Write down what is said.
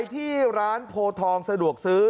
ที่ร้านโพทองสะดวกซื้อ